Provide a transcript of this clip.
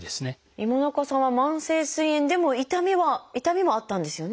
今中さんは慢性すい炎でも痛みもあったんですよね。